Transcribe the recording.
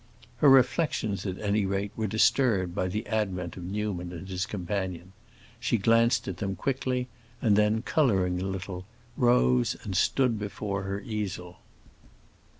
Her reflections, at any rate, were disturbed by the advent of Newman and his companion. She glanced at them quickly, and then, coloring a little, rose and stood before her easel.